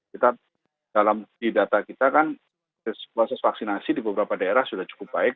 kita di data kita kan proses vaksinasi di beberapa daerah sudah cukup baik